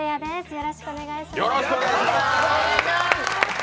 よろしくお願いします。